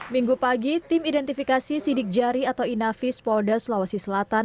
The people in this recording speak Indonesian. minggu pagi tim identifikasi sidik jari atau inavis polda sulawesi selatan